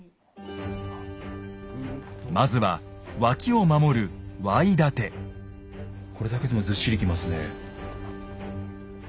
まずは脇を守るこれだけでもずっしりきますね。